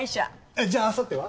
えっじゃああさっては？